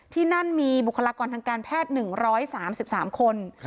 ที่นั่นมีบุคลากรทางการแพทย์๑๓๓คน